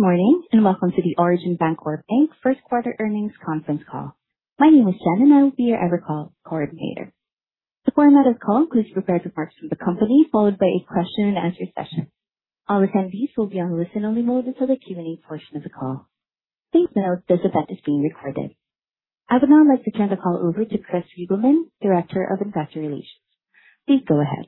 Good morning, and welcome to the Origin Bancorp First Quarter Earnings Conference Call. My name is Jen, and I will be your Evercall coordinator. The format of the call includes prepared remarks from the company, followed by a Question and Answer session. All attendees will be on listen only mode until the Q&A portion of the call. Please note this event is being recorded. I would now like to turn the call over to Chris Reigelman, Director of Investor Relations. Please go ahead.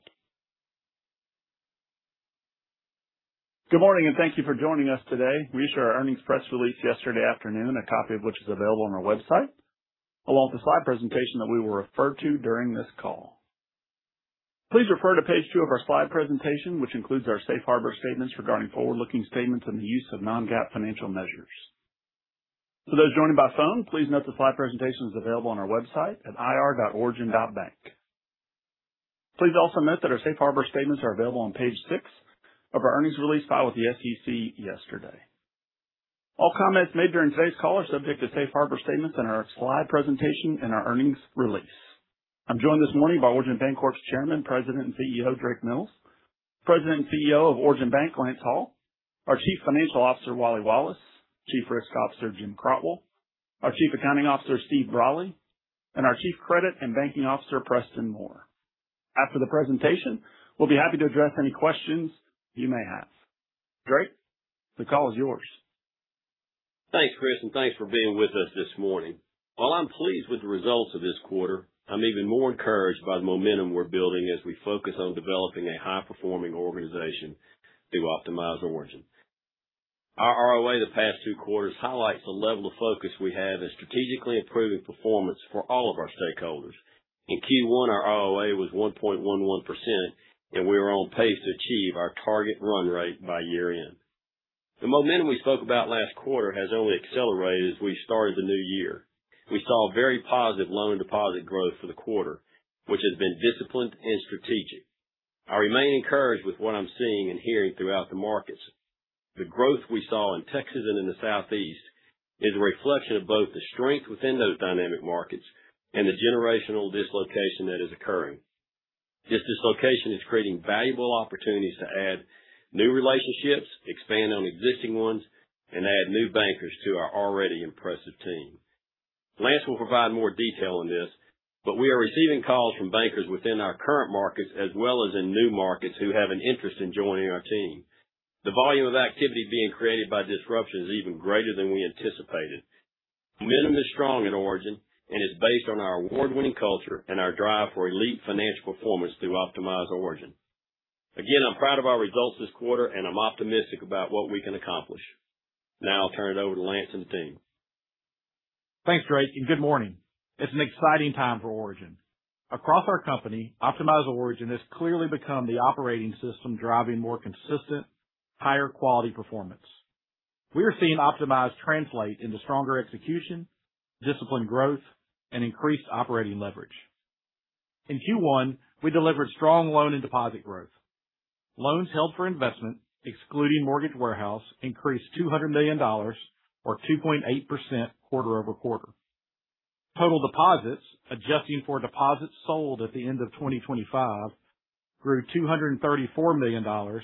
Good morning, and thank you for joining us today. We issued our earnings press release yesterday afternoon, a copy of which is available on our website, along with the slide presentation that we will refer to during this call. Please refer to page two of our slide presentation, which includes our safe harbor statements regarding forward-looking statements and the use of non-GAAP financial measures. For those joining by phone, please note the slide presentation is available on our website at ir.origin.bank. Please also note that our safe harbor statements are available on page six of our earnings release filed with the SEC yesterday. All comments made during today's call are subject to safe harbor statements in our slide presentation and our earnings release. I'm joined this morning by Origin Bancorp's Chairman, President, and CEO, Drake Mills, President and CEO of Origin Bank, Lance Hall, our Chief Financial Officer, Wally Wallace, Chief Risk Officer, Jim Crotwell, our Chief Accounting Officer, Steve Brawley, and our Chief Credit and Banking Officer, Preston Moore. After the presentation, we'll be happy to address any questions you may have. Drake, the call is yours. Thanks, Chris, and thanks for being with us this morning. While I'm pleased with the results of this quarter, I'm even more encouraged by the momentum we're building as we focus on developing a high-performing organization through Optimize Origin. Our ROA the past two quarters highlights the level of focus we have in strategically improving performance for all of our stakeholders. In Q1, our ROA was 1.11%, and we are on pace to achieve our target run rate by year-end. The momentum we spoke about last quarter has only accelerated as we started the new year. We saw very positive loan and deposit growth for the quarter, which has been disciplined and strategic. I remain encouraged with what I'm seeing and hearing throughout the markets. The growth we saw in Texas and in the Southeast is a reflection of both the strength within those dynamic markets, and the generational dislocation that is occurring. This dislocation is creating valuable opportunities to add new relationships, expand on existing ones, and add new bankers to our already impressive team. Lance will provide more detail on this, but we are receiving calls from bankers within our current markets as well as in new markets who have an interest in joining our team. The volume of activity being created by disruption is even greater than we anticipated. Momentum is strong at Origin, and it's based on our award-winning culture and our drive for elite financial performance through Optimize Origin. Again, I'm proud of our results this quarter, and I'm optimistic about what we can accomplish. Now I'll turn it over to Lance and the team. Thanks, Drake, and good morning. It's an exciting time for Origin. Across our company, Optimize Origin has clearly become the operating system, driving more consistent, higher quality performance. We are seeing Optimize translate into stronger execution, disciplined growth, and increased operating leverage. In Q1, we delivered strong loan and deposit growth. Loans held for investment, excluding Mortgage Warehouse, increased $200 million or 2.8% quarter-over-quarter. Total deposits, adjusting for deposits sold at the end of 2025, grew $234 million or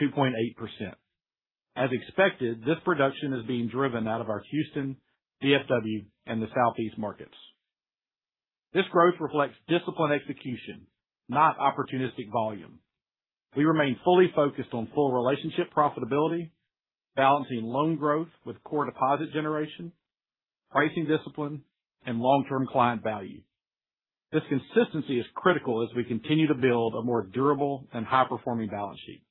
2.8%. As expected, this production is being driven out of our Houston, DFW, and the Southeast markets. This growth reflects disciplined execution, not opportunistic volume. We remain fully focused on full relationship profitability, balancing loan growth with core deposit generation, pricing discipline, and long-term client value. This consistency is critical as we continue to build a more durable and high-performing balance sheet.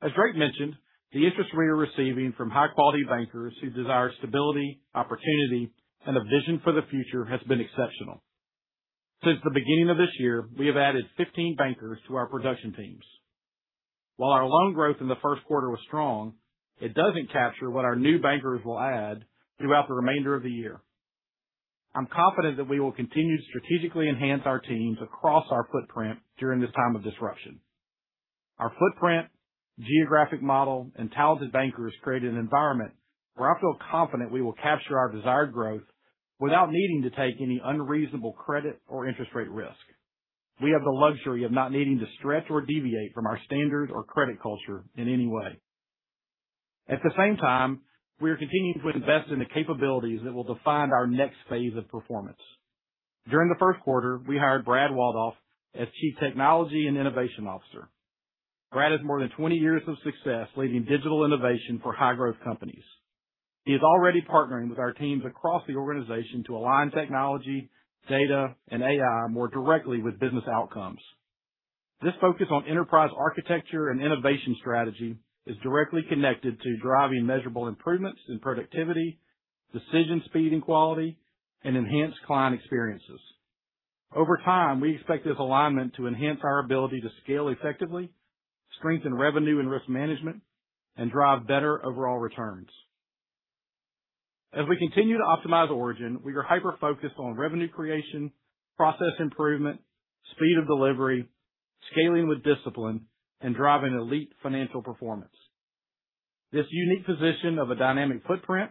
As Drake mentioned, the interest we are receiving from high-quality bankers who desire stability, opportunity, and a vision for the future has been exceptional. Since the beginning of this year, we have added 15 bankers to our production teams. While our loan growth in the first quarter was strong, it doesn't capture what our new bankers will add throughout the remainder of the year. I'm confident that we will continue to strategically enhance our teams across our footprint during this time of disruption. Our footprint, geographic model, and talented bankers create an environment where I feel confident we will capture our desired growth without needing to take any unreasonable credit or interest rate risk. We have the luxury of not needing to stretch or deviate from our standard or credit culture in any way. At the same time, we are continuing to invest in the capabilities that will define our next phase of performance. During the first quarter, we hired Brad Waldhoff as Chief Technology and Innovation Officer. Brad has more than 20 years of success leading digital innovation for high-growth companies. He is already partnering with our teams across the organization to align technology, data, and AI more directly with business outcomes. This focus on enterprise architecture and innovation strategy is directly connected to driving measurable improvements in productivity, decision speed and quality, and enhanced client experiences. Over time, we expect this alignment to enhance our ability to scale effectively, strengthen revenue and risk management, and drive better overall returns. As we continue to Optimize Origin, we are hyper-focused on revenue creation, process improvement, speed of delivery, scaling with discipline, and driving elite financial performance. This unique position of a dynamic footprint,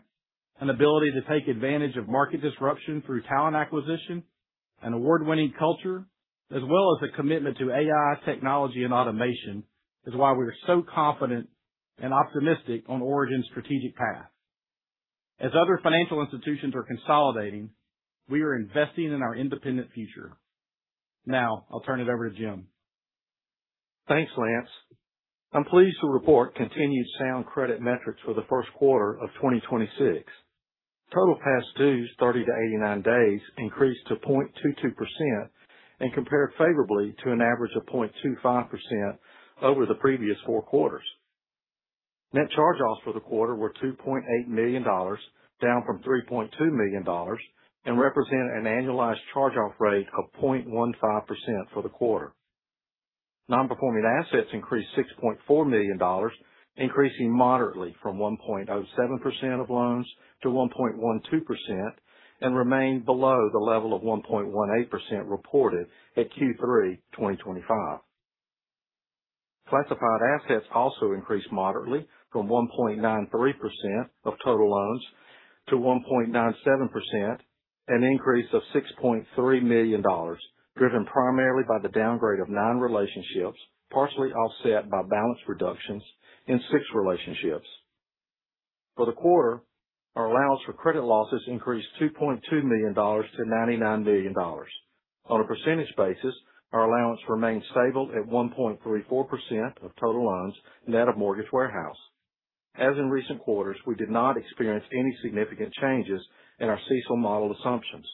and ability to take advantage of market disruption through talent acquisition and award-winning culture, as well as a commitment to AI technology and automation, is why we are so confident and optimistic on Origin's strategic path. As other financial institutions are consolidating, we are investing in our independent future. Now, I'll turn it over to Jim. Thanks, Lance. I'm pleased to report continued sound credit metrics for the first quarter of 2026. Total past dues 30-89 days increased to 0.22% and compared favorably to an average of 0.25% over the previous four quarters. Net charge-offs for the quarter were $2.8 million, down from $3.2 million, and represent an annualized charge-off rate of 0.15% for the quarter. Non-performing assets increased to $6.4 million, increasing moderately from 1.07% of loans to 1.12%, and remained below the level of 1.18% reported at Q3 2025. Classified assets also increased moderately from 1.93% of total loans to 1.97%, an increase of $6.3 million, driven primarily by the downgrade of non-relationships, partially offset by balance reductions in six relationships. For the quarter, our allowance for credit losses increased $2.2 million to $99 million. On a percentage basis, our allowance remained stable at 1.34% of total loans net of Mortgage Warehouse. As in recent quarters, we did not experience any significant changes in our CECL model assumptions.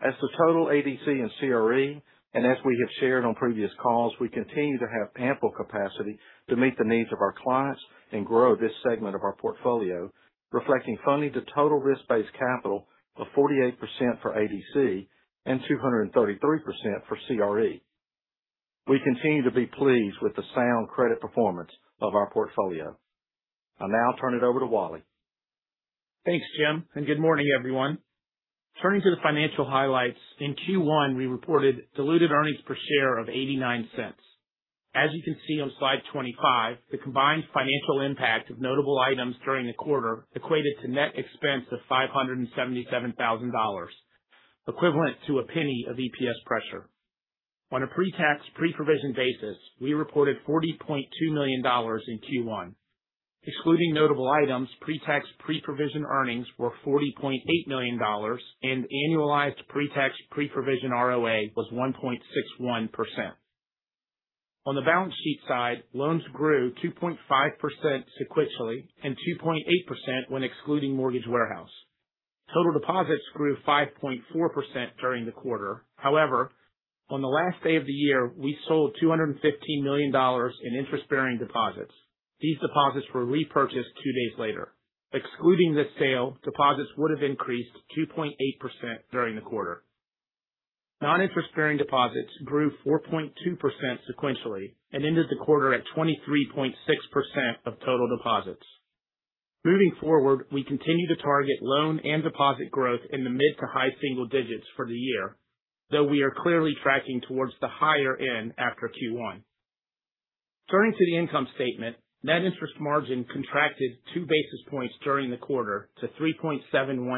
As to total ADC and CRE, and as we have shared on previous calls, we continue to have ample capacity to meet the needs of our clients and grow this segment of our portfolio, reflecting funding to total risk-based capital of 48% for ADC and 233% for CRE. We continue to be pleased with the sound credit performance of our portfolio. I'll now turn it over to Wally. Thanks, Jim, and good morning, everyone. Turning to the financial highlights, in Q1, we reported diluted earnings per share of $0.89. As you can see on slide 25, the combined financial impact of notable items during the quarter equated to net expense of $577,000, equivalent to $0.01 of EPS pressure. On a pre-tax, pre-provision basis, we reported $40.2 million in Q1. Excluding notable items, pre-tax, pre-provision earnings were $40.8 million and annualized pre-tax, pre-provision ROA was 1.61%. On the balance sheet side, loans grew 2.5% sequentially and 2.8% when excluding Mortgage Warehouse. Total deposits grew 5.4% during the quarter. However, on the last day of the year, we sold $215 million in interest-bearing deposits. These deposits were repurchased two days later. Excluding this sale, deposits would have increased 2.8% during the quarter. Noninterest-bearing deposits grew 4.2% sequentially and ended the quarter at 23.6% of total deposits. Moving forward, we continue to target loan and deposit growth in the mid to high single digits for the year, though we are clearly tracking towards the higher end after Q1. Turning to the income statement, net interest margin contracted two basis points during the quarter to 3.71%,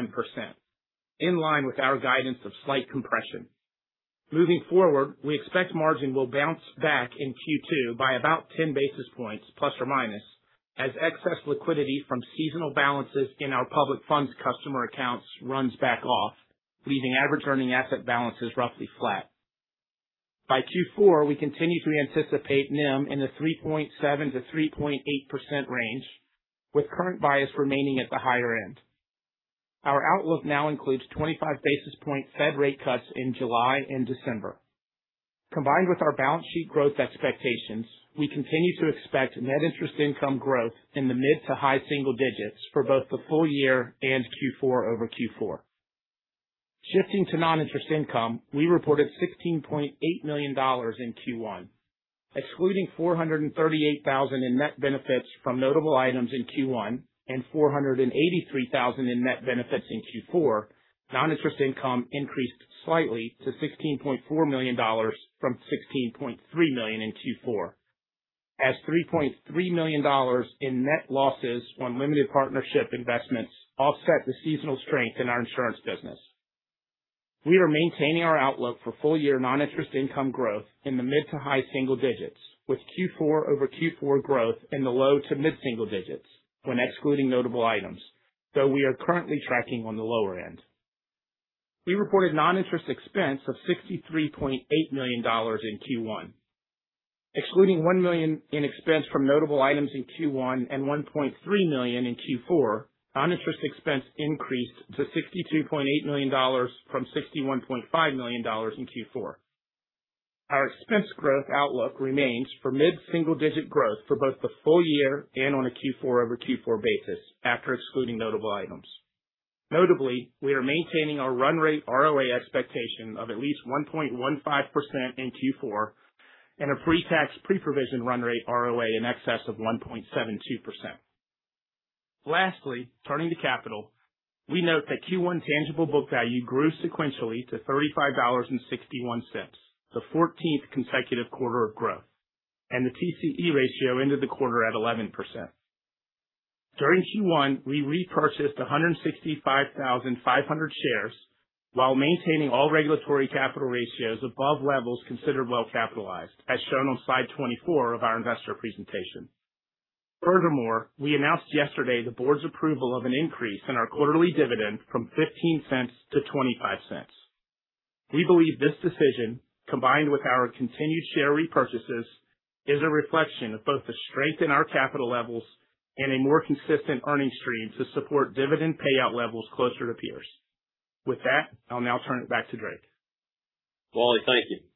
in line with our guidance of slight compression. Moving forward, we expect margin will bounce back in Q2 by about 10 basis points, plus or minus, as excess liquidity from seasonal balances in our public funds customer accounts runs back off, leaving average earning asset balances roughly flat. By Q4, we continue to anticipate NIM in the 3.7%-3.8% range, with current bias remaining at the higher end. Our outlook now includes 25 basis point Fed rate cuts in July and December. Combined with our balance sheet growth expectations, we continue to expect net interest income growth in the mid to high single digits for both the full year and Q4-over-Q4. Shifting to noninterest income, we reported $16.8 million in Q1. Excluding $438,000 in net benefits from notable items in Q1 and $483,000 in net benefits in Q4, noninterest income increased slightly to $16.4 million from $16.3 million in Q4, as $3.3 million in net losses on limited partnership investments offset the seasonal strength in our insurance business. We are maintaining our outlook for full-year noninterest income growth in the mid to high single digits, with Q4-over-Q4 growth in the low to mid single digits when excluding notable items, though we are currently tracking on the lower end. We reported noninterest expense of $63.8 million in Q1. Excluding $1 million in expense from notable items in Q1 and $1.3 million in Q4, noninterest expense increased to $62.8 million from $61.5 million in Q4. Our expense growth outlook remains for mid-single digit growth for both the full year and on a Q4-over-Q4 basis after excluding notable items. Notably, we are maintaining our run rate ROA expectation of at least 1.15% in Q4 and a pre-tax, pre-provision run rate ROA in excess of 1.72%. Lastly, turning to capital, we note that Q1 tangible book value grew sequentially to $35.61, the fourteenth consecutive quarter of growth. The TCE ratio ended the quarter at 11%. During Q1, we repurchased 165,500 shares while maintaining all regulatory capital ratios above levels considered well-capitalized, as shown on slide 24 of our investor presentation. Furthermore, we announced yesterday the board's approval of an increase in our quarterly dividend from $0.15-$0.25. We believe this decision, combined with our continued share repurchases, is a reflection of both the strength in our capital levels and a more consistent earnings stream to support dividend payout levels closer to peers. With that, I'll now turn it back to Drake. Wally, thank you.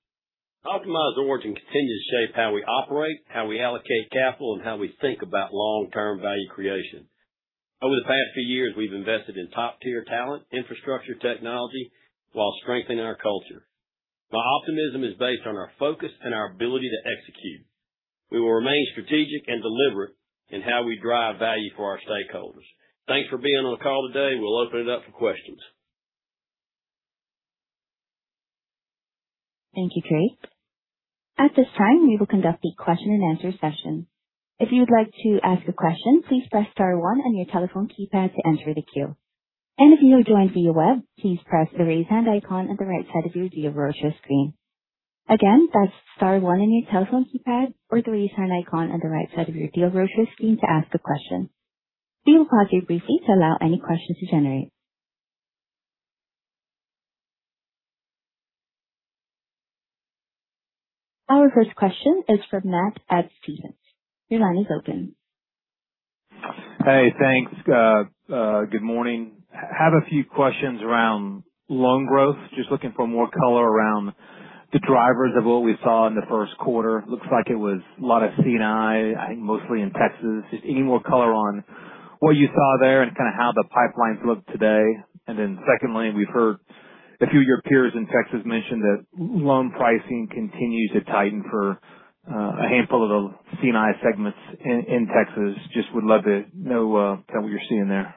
Optimize Origin continues to shape how we operate, how we allocate capital, and how we think about long-term value creation. Over the past few years, we've invested in top-tier talent, infrastructure, technology, while strengthening our culture. My optimism is based on our focus and our ability to execute. We will remain strategic and deliberate in how we drive value for our stakeholders. Thanks for being on the call today. We'll open it up for questions. Thank you, Drake. At this time, we will conduct the Question and Answer session. If you'd like to ask a question, please press star one on your telephone keypad to enter the queue. If you have joined via web, please press the raise-hand icon on the right side of your viewer broadcast screen. Again, that's star one on your telephone keypad or the raise-hand icon on the right side of your viewer broadcast screen to ask a question. We will pause here briefly to allow any questions to generate. Our first question is from Matt at Stephens. Your line is open. Hey, thanks. Good morning. Have a few questions around loan growth. Just looking for more color around the drivers of what we saw in the first quarter. Looks like it was a lot of C&I think, mostly in Texas. Just any more color on what you saw there and kind of how the pipelines look today. Secondly, we've heard a few of your peers in Texas mention that loan pricing continues to tighten for a handful of the C&I segments in Texas. Just would love to know, kind of what you're seeing there.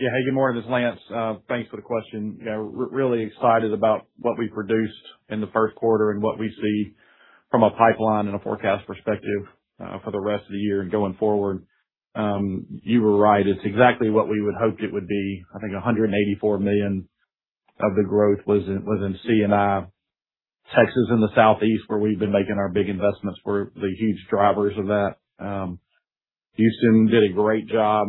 Yeah. Hey, good morning. This is Lance. Thanks for the question. Yeah, we're really excited about what we produced in the first quarter and what we see from a pipeline and a forecast perspective for the rest of the year going forward. You were right. It's exactly what we would hoped it would be. I think $184 million of the growth was in C&I. Texas and the Southeast, where we've been making our big investments, were the huge drivers of that. Houston did a great job.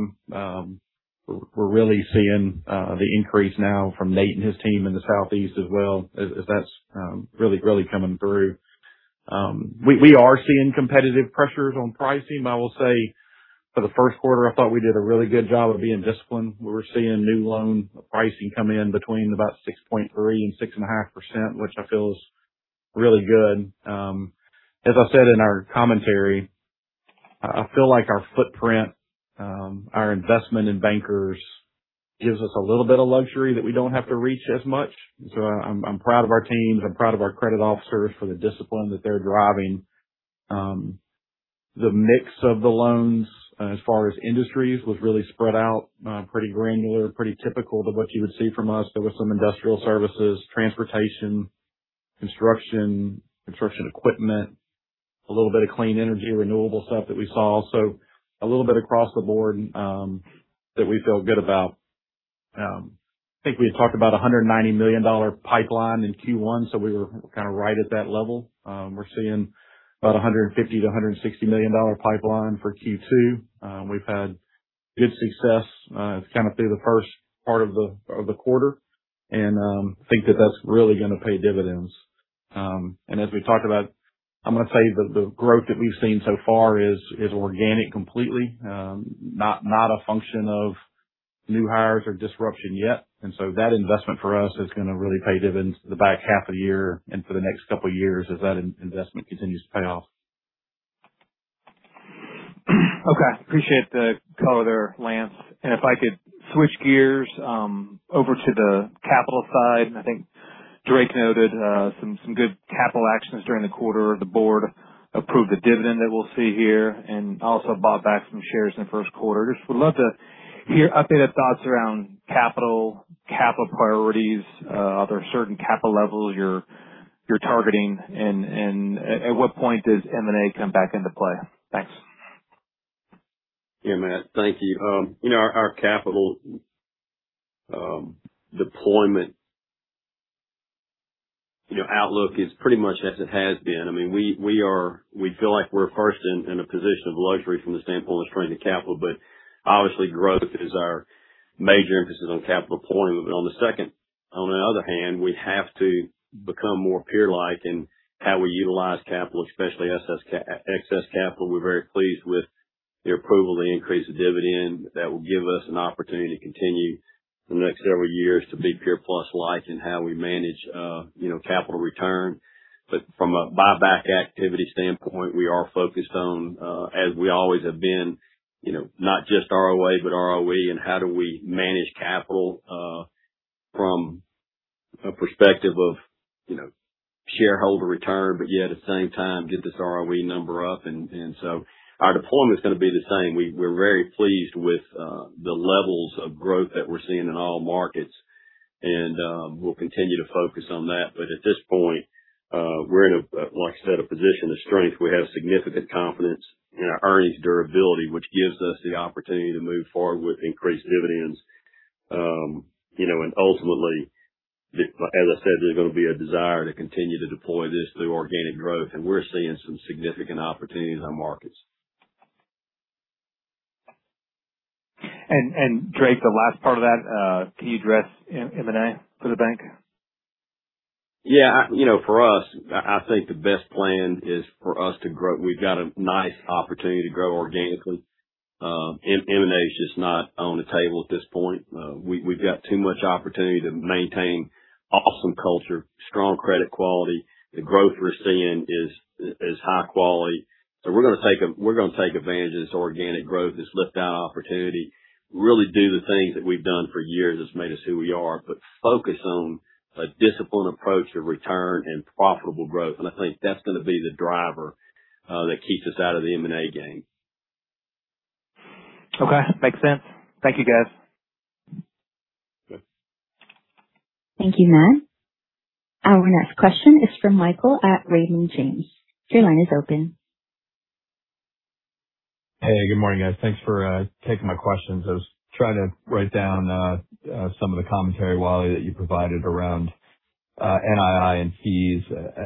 We're really seeing the increase now from Nate and his team in the Southeast as well as that's really coming through. We are seeing competitive pressures on pricing. I will say for the first quarter, I thought we did a really good job of being disciplined, where we're seeing new loan pricing come in between about 6.3% and 6.5%, which I feel is really good. As I said in our commentary, I feel like our footprint, our investment in bankers gives us a little bit of luxury that we don't have to reach as much. I'm proud of our teams. I'm proud of our credit officers for the discipline that they're driving. The mix of the loans as far as industries was really spread out, pretty granular, pretty typical to what you would see from us. There was some industrial services, transportation, construction equipment, a little bit of clean energy, renewable stuff that we saw. A little bit across the board, that we feel good about. I think we had talked about $190 million pipeline in Q1, so we were kind of right at that level. We're seeing about $150-$160 million pipeline for Q2. We've had good success kind of through the first part of the quarter, and think that that's really going to pay dividends. As we talk about, I'm going to tell you the growth that we've seen so far is organic completely, not a function of new hires or disruption yet. That investment for us is going to really pay dividends for the back half of the year and for the next couple of years as that investment continues to pay off. Okay. Appreciate the color there, Lance. If I could switch gears over to the capital side. I think Drake noted some good capital actions during the quarter. The board approved a dividend that we'll see here, and also bought back some shares in the first quarter. Just would love to hear updated thoughts around capital priorities. Are there certain capital levels you're targeting and at what point does M&A come back into play? Thanks. Yeah, Matt. Thank you. Our capital deployment outlook is pretty much as it has been. We feel like we're first in a position of luxury from the standpoint of strength of capital. Obviously growth is our major emphasis on capital deployment. On the other hand, we have to become more peer-like in how we utilize capital, especially excess capital. We're very pleased with the approval, the increase of dividend that will give us an opportunity to continue for the next several years to be peer-plus like in how we manage capital return. From a buyback activity standpoint, we are focused on, as we always have been, not just ROA, but ROE and how do we manage capital from a perspective of shareholder return, but yet at the same time get this ROE number up. Our deployment is going to be the same. We're very pleased with the levels of growth that we're seeing in all markets. We'll continue to focus on that. At this point, we're in a, like I said, a position of strength. We have significant confidence in our earnings durability, which gives us the opportunity to move forward with increased dividends. Ultimately, as I said, there's going to be a desire to continue to deploy this through organic growth, and we're seeing some significant opportunities in our markets. Drake, the last part of that, can you address M&A for the bank? Yeah. For us, I think the best plan is for us to grow. We've got a nice opportunity to grow organically. M&A is just not on the table at this point. We've got too much opportunity to maintain awesome culture, strong credit quality. The growth we're seeing is high quality. So we're going to take advantage of this organic growth, this lift-out opportunity, really do the things that we've done for years that's made us who we are, but focus on a disciplined approach to return and profitable growth. I think that's going to be the driver that keeps us out of the M&A game. Okay. Makes sense. Thank you, guys. Good. Thank you, Matt. Our next question is from Michael at Raymond James. Your line is open. Hey, good morning, guys. Thanks for taking my questions. I was trying to write down some of the commentary, Wally, that you provided around NII and fees.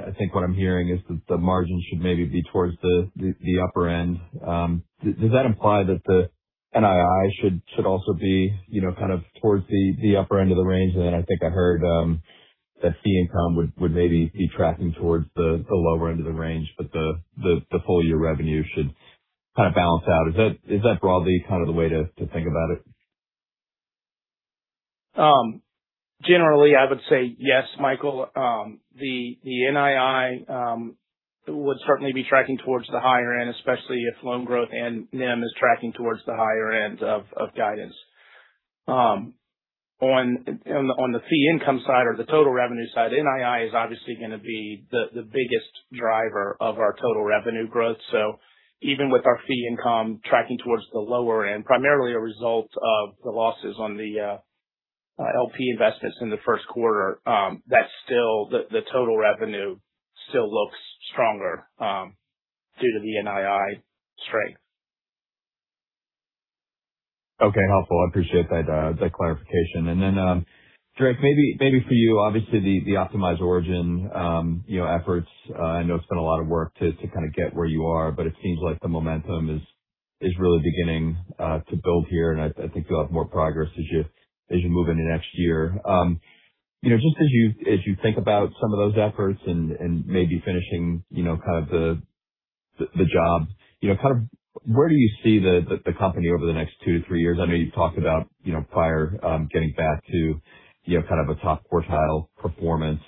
I think what I'm hearing is that the margin should maybe be towards the upper end. Does that imply that the NII should also be kind of towards the upper end of the range? I think I heard that fee income would maybe be tracking towards the lower end of the range, but the full-year revenue should kind of balance out. Is that broadly kind of the way to think about it? Generally, I would say yes, Michael. The NII would certainly be tracking towards the higher end, especially if loan growth and NIM is tracking towards the higher end of guidance. On the fee income side or the total revenue side, NII is obviously going to be the biggest driver of our total revenue growth. Even with our fee income tracking towards the lower end, primarily a result of the losses on the LP investments in the first quarter, the total revenue still looks stronger due to the NII strength. Okay, helpful. I appreciate that clarification. Drake, maybe for you, obviously the Optimize Origin efforts, I know it's been a lot of work to kind of get where you are, but it seems like the momentum is really beginning to build here, and I think you'll have more progress as you move into next year. Just as you think about some of those efforts and maybe finishing the job, where do you see the company over the next two-three years? I know you've talked about prior, getting back to kind of a top quartile performance.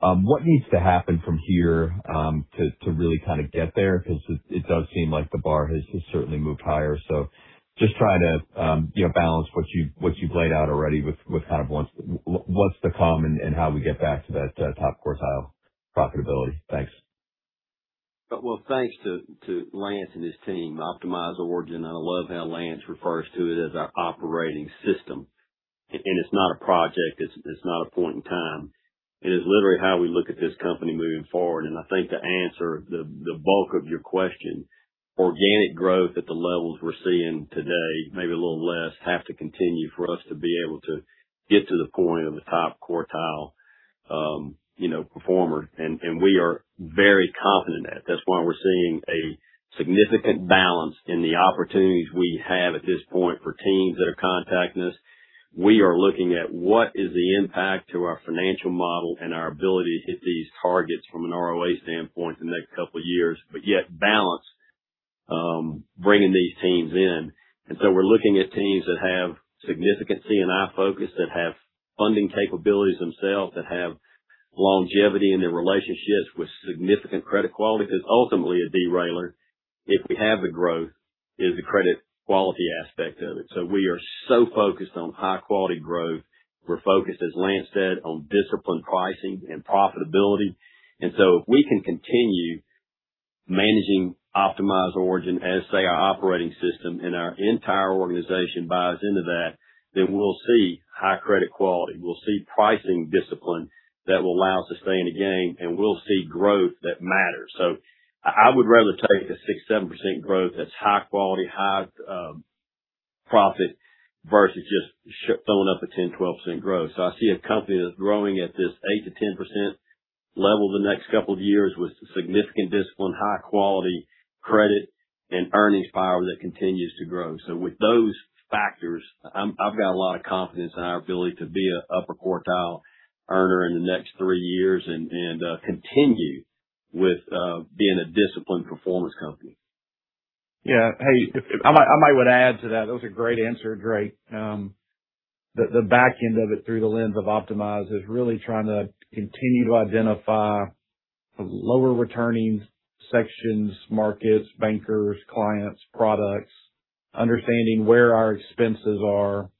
What needs to happen from here to really kind of get there? Because it does seem like the bar has certainly moved higher. Just trying to balance what you've laid out already with what's to come and how we get back to that top quartile profitability. Thanks. Well, thanks to Lance and his team, Optimize Origin. I love how Lance refers to it as our operating system, and it's not a project, it's not a point in time. It is literally how we look at this company moving forward. I think to answer the bulk of your question, organic growth at the levels we're seeing today, maybe a little less, have to continue for us to be able to get to the point of a top quartile performer, and we are very confident in that. That's why we're seeing a significant balance in the opportunities we have at this point for teams that are contacting us. We are looking at what is the impact to our financial model and our ability to hit these targets from an ROA standpoint in the next couple of years, but yet balance bringing these teams in. We're looking at teams that have significant C&I focus, that have funding capabilities themselves, that have longevity in their relationships with significant credit quality. Because ultimately, at D. Ryler, if we have the growth, is the credit quality aspect of it. We are so focused on high quality growth. We're focused, as Lance said, on disciplined pricing and profitability. If we can continue managing Optimize Origin as, say, our operating system and our entire organization buys into that, then we'll see high credit quality, we'll see pricing discipline that will allow us to stay in the game, and we'll see growth that matters. I would rather take the 6%-7% growth that's high quality, high profit versus just filling up a 10%-12% growth. I see a company that's growing at this 8%-10% level the next couple of years with significant discipline, high quality credit, and earnings power that continues to grow. With those factors, I've got a lot of confidence in our ability to be an upper quartile earner in the next three years and continue with being a disciplined performance company. Yeah. Hey, I might want to add to that. That was a great answer, Drake. The back end of it through the lens of Optimize is really trying to continue to identify lower returning sections, markets, bankers, clients, products, understanding where our expenses are,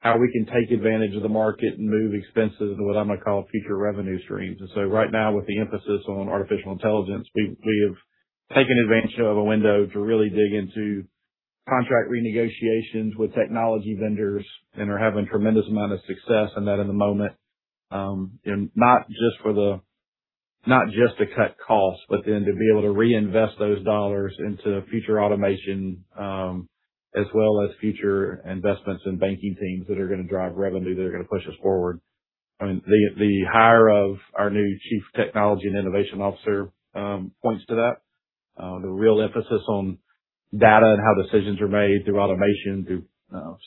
how we can take advantage of the market and move expenses into what I'm going to call future revenue streams. Right now with the emphasis on artificial intelligence, we have taken advantage of a window to really dig into contract renegotiations with technology vendors and are having tremendous amount of success in that in the moment. Not just to cut costs, but then to be able to reinvest those dollars into future automation, as well as future investments in banking teams that are going to drive revenue, that are going to push us forward. The hire of our new Chief Technology and Innovation Officer points to that. The real emphasis on data and how decisions are made through automation, through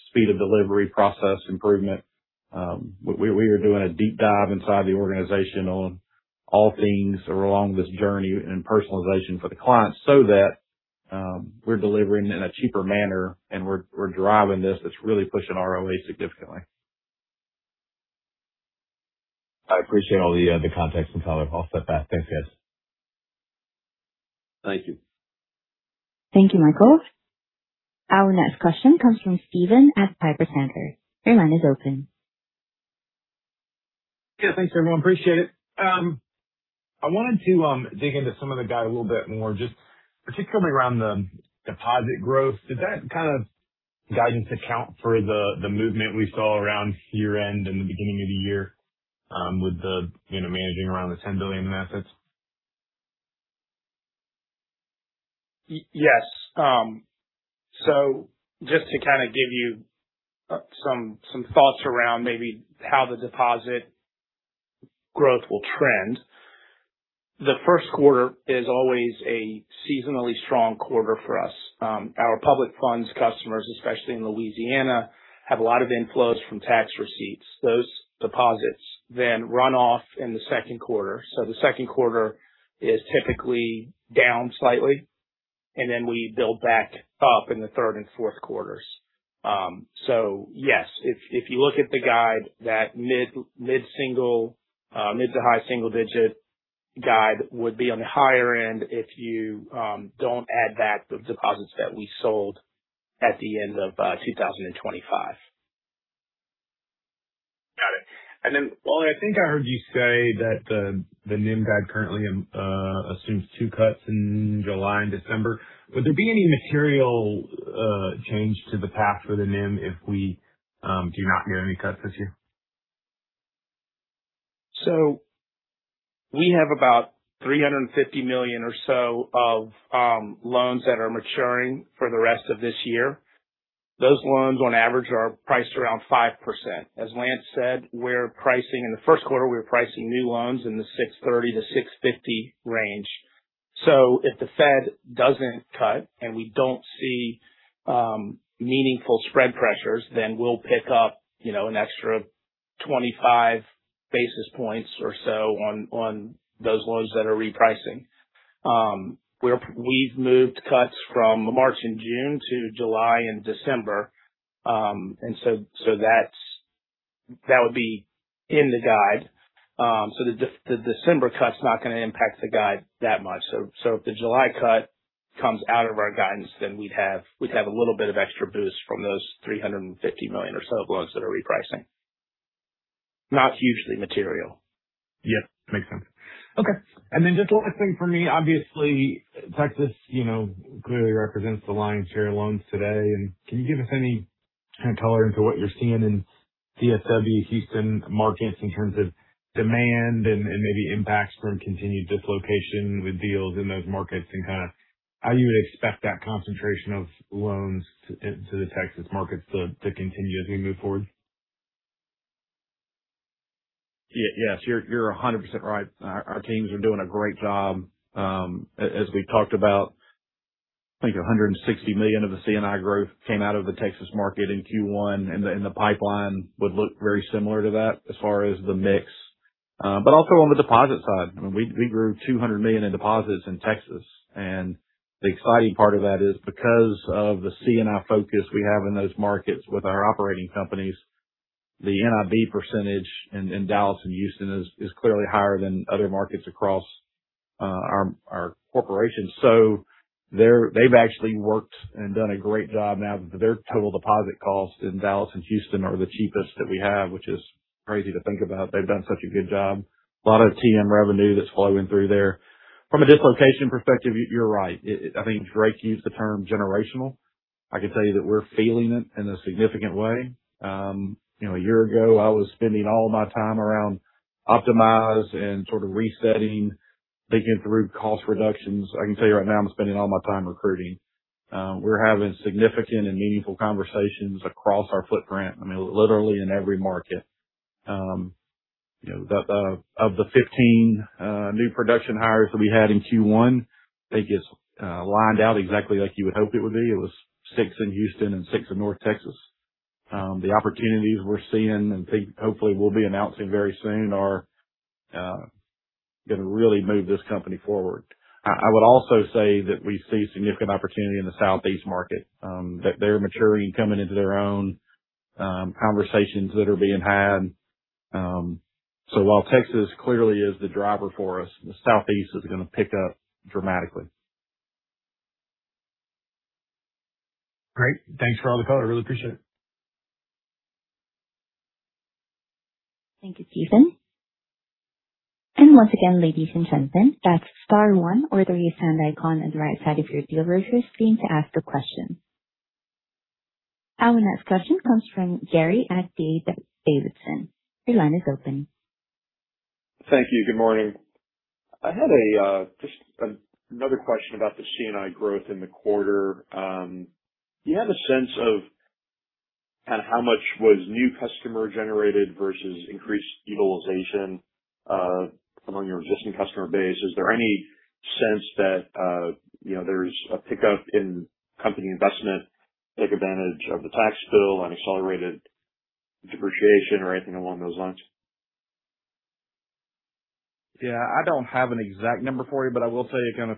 speed of delivery, process improvement. We are doing a deep dive inside the organization on all things along this journey and personalization for the client so that we're delivering in a cheaper manner and we're driving this. It's really pushing ROA significantly. I appreciate all the context and color. I'll step back. Thanks, guys. Thank you. Thank you, Michael. Our next question comes from Stephen at Piper Sandler. Your line is open. Yeah. Thanks, everyone. Appreciate it. I wanted to dig into some of the guidance a little bit more, just particularly around the deposit growth. Does that kind of guidance account for the movement we saw around year-end and the beginning of the year with the managing around the $10 billion in assets? Yes. Just to give you some thoughts around maybe how the deposit growth will trend. The first quarter is always a seasonally strong quarter for us. Our public funds customers, especially in Louisiana, have a lot of inflows from tax receipts. Those deposits then run off in the second quarter. The second quarter is typically down slightly, and then we build back up in the third and fourth quarters. Yes, if you look at the guide, that mid- to high-single-digit guide would be on the higher end if you don't add back the deposits that we sold at the end of 2025. Got it. Wally, I think I heard you say that the NIM guide currently assumes two cuts in July and December. Would there be any material change to the path for the NIM if we do not get any cuts this year? We have about $350 million or so of loans that are maturing for the rest of this year. Those loans, on average, are priced around 5%. As Lance said, in the first quarter, we were pricing new loans in the 6.30%-6.50% range. If the Fed doesn't cut and we don't see meaningful spread pressures, then we'll pick up an extra 25 basis points or so on those loans that are repricing. We've moved cuts from March and June to July and December. That would be in the guide. The December cut is not going to impact the guide that much. If the July cut comes out of our guidance, then we'd have a little bit of extra boost from those $350 million or so loans that are repricing. Not hugely material. Yes, makes sense. Okay, and then just the last thing for me, obviously, Texas clearly represents the lion's share of loans today, and can you give us any color into what you're seeing in DFW Houston markets in terms of demand and maybe impacts from continued dislocation with deals in those markets and how you would expect that concentration of loans to the Texas markets to continue as we move forward? Yes. You're 100% right. Our teams are doing a great job. As we talked about, I think $160 million of the C&I growth came out of the Texas market in Q1 and the pipeline would look very similar to that as far as the mix. Also on the deposit side, we grew $200 million in deposits in Texas. The exciting part of that is because of the C&I focus we have in those markets with our operating companies, the NIB percentage in Dallas and Houston is clearly higher than other markets across our corporation. They've actually worked and done a great job now that their total deposit costs in Dallas and Houston are the cheapest that we have, which is crazy to think about. They've done such a good job. A lot of TM revenue that's flowing through there. From a dislocation perspective, you're right. I think Drake used the term generational. I can tell you that we're feeling it in a significant way. A year ago, I was spending all my time around Optimize and sort of resetting, thinking through cost reductions. I can tell you right now I'm spending all my time recruiting. We're having significant and meaningful conversations across our footprint, I mean, literally in every market. Of the 15 new production hires that we had in Q1, I think it's lined out exactly like you would hope it would be. It was six in Houston and six in North Texas. The opportunities we're seeing and hopefully we'll be announcing very soon are going to really move this company forward. I would also say that we see significant opportunity in the Southeast market, that they're maturing and coming into their own conversations that are being had. While Texas clearly is the driver for us, the Southeast is going to pick up dramatically. Great. Thanks for all the color. I really appreciate it. Thank you, Stephen. Once again, ladies and gentlemen, that's star one or the raise-hand icon on the right side of your broadcast screen to ask a question. Our next question comes from Gary at D.A. Davidson. Your line is open. Thank you. Good morning. I had just another question about the C&I growth in the quarter. Do you have a sense of how much was new customer generated versus increased utilization, among your existing customer base? Is there any sense that there's a pickup in company investment, take advantage of the tax bill and accelerated depreciation or anything along those lines? Yeah, I don't have an exact number for you, but I will tell you kind of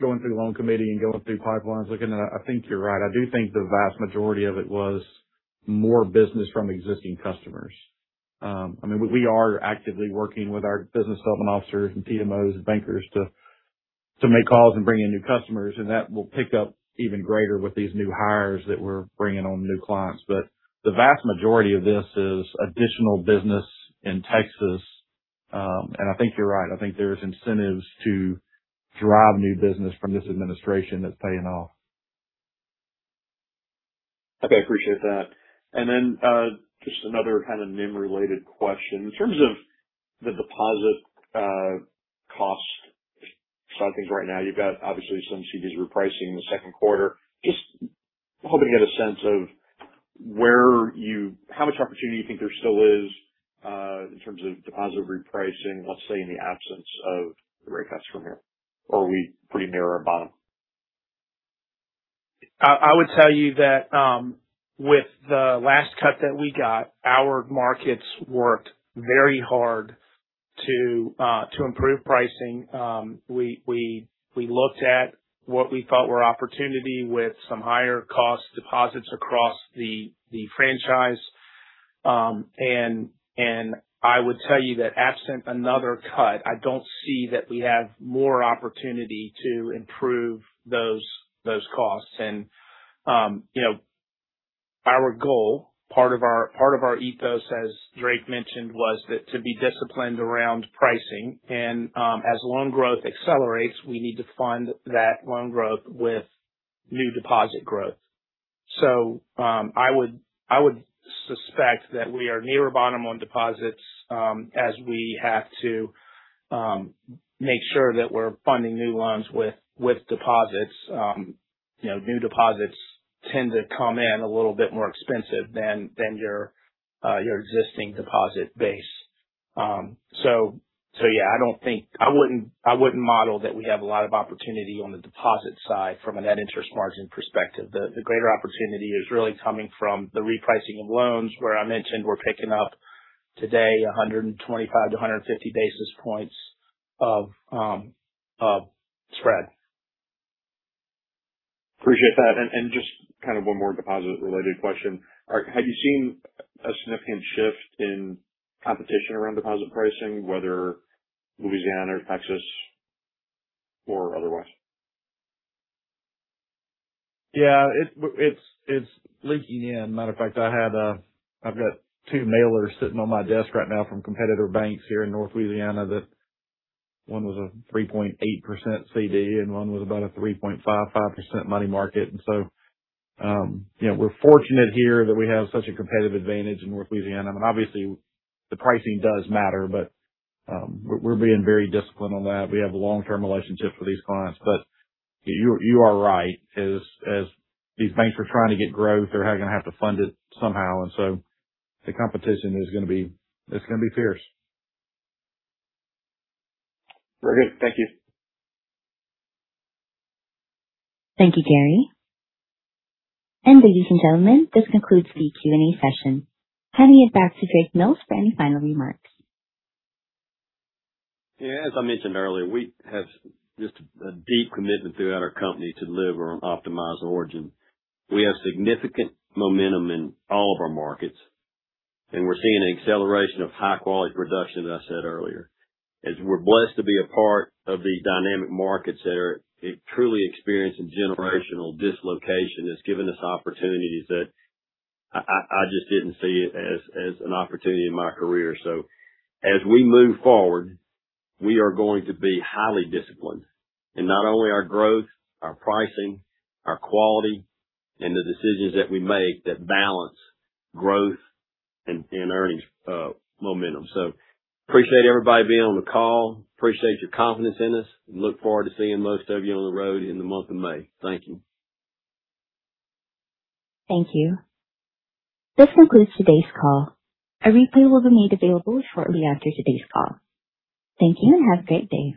going through the Loan Committee and going through pipelines, looking at it, I think you're right. I do think the vast majority of it was more business from existing customers. We are actively working with our business development officers and TMOs and bankers to make calls and bring in new customers, and that will pick up even greater with these new hires that we're bringing on new clients. But the vast majority of this is additional business in Texas. I think you're right. I think there's incentives to drive new business from this administration that's paying off. Okay. Appreciate that. Just another kind of NIM-related question. In terms of the deposit cost side of things right now, you've got obviously some CDs repricing in the second quarter. Just hoping to get a sense of how much opportunity you think there still is, in terms of deposit repricing, let's say, in the absence of the rate cuts from here, or are we pretty near our bottom? I would tell you that with the last cut that we got, our markets worked very hard to improve pricing. We looked at what we thought were opportunity with some higher cost deposits across the franchise. I would tell you that absent another cut, I don't see that we have more opportunity to improve those costs. Our goal, part of our ethos, as Drake mentioned, was that to be disciplined around pricing and, as loan growth accelerates, we need to fund that loan growth with new deposit growth. I would suspect that we are near a bottom on deposits, as we have to make sure that we're funding new loans with deposits. New deposits tend to come in a little bit more expensive than your existing deposit base. I wouldn't model that we have a lot of opportunity on the deposit side from a net interest margin perspective. The greater opportunity is really coming from the repricing of loans, where I mentioned we're picking up today 125-150 basis points of spread. Appreciate that. Just one more deposit related question. Have you seen a significant shift in competition around deposit pricing, whether Louisiana or Texas or otherwise? Yeah, it's leaking in. Matter of fact, I've got two mailers sitting on my desk right now from competitor banks here in North Louisiana that one was a 3.8% CD, and one was about a 3.55% money market. We're fortunate here that we have such a competitive advantage in North Louisiana, and obviously the pricing does matter, but we're being very disciplined on that. We have long-term relationships with these clients, but you are right. As these banks are trying to get growth, they're going to have to fund it somehow, and so the competition is going to be fierce. Very good. Thank you. Thank you, Gary. Ladies and gentlemen, this concludes the Q&A session. Handing it back to Drake Mills for any final remarks. Yeah, as I mentioned earlier, we have just a deep commitment throughout our company to deliver on Optimize Origin. We have significant momentum in all of our markets, and we're seeing an acceleration of high quality production, as I said earlier, as we're blessed to be a part of these dynamic markets that are truly experiencing generational dislocation that's given us opportunities that I just didn't see as an opportunity in my career. As we move forward, we are going to be highly disciplined in not only our growth, our pricing, our quality, and the decisions that we make that balance growth and earnings momentum. Appreciate everybody being on the call, appreciate your confidence in us, and look forward to seeing most of you on the road in the month of May. Thank you. Thank you. This concludes today's call. A replay will be made available shortly after today's call. Thank you and have a great day.